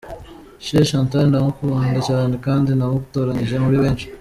Cher Chantal ndamukunda cyane kandi namutoranyije muri benshi.